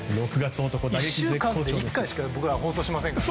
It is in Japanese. １週間で１回しか僕らは放送しませんから。